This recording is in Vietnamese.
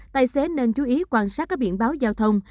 tài xế nên chú ý quan sát các biển báo giao thông